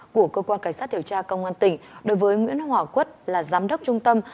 của cơ quan cảnh sát điều tra công an tỉnh đối với nguyễn hòa quất là giám đốc trung tâm